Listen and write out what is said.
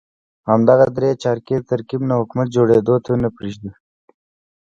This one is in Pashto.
همدغه درې چارکیز ترکیب نه حکومت جوړېدو ته پرېږدي.